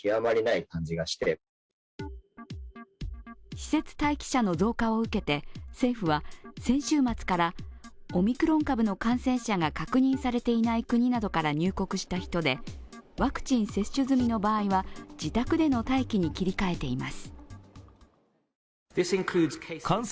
施設待機者の増加を受けて、政府は先週末からオミクロン株の感染者が確認されていない国などから入国した人で、ワクチン接種済みの場合は自宅での待機に切り替えています。